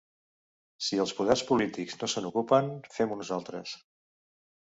Si els poders polítics no se n’ocupen, fem-ho nosaltres.